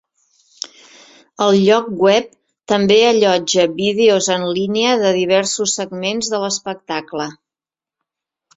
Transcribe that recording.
El lloc web també allotja vídeos en línia de diversos segments de l'espectacle.